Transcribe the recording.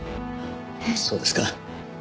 そうですか。